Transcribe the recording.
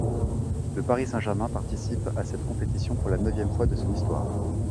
Le Paris Saint-Germain participe à cette compétition pour la neuvième fois de son histoire.